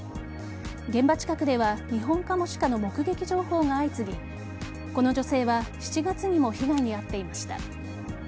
現場近くではニホンカモシカの目撃情報が相次ぎこの女性は７月にも被害に遭っています。